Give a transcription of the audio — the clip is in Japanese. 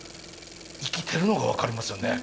生きてるのが分かりますよね。